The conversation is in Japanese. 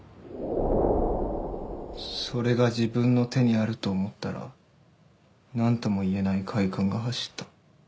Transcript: それが自分の手にあると思ったらなんとも言えない快感が走った。